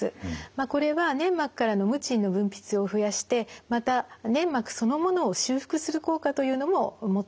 これは粘膜からのムチンの分泌を増やしてまた粘膜そのものを修復する効果というのも持っています。